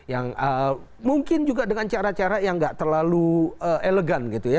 yang mungkin juga dengan cara cara yang nggak terlalu elegan gitu ya